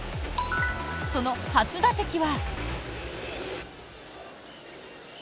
その初打席は。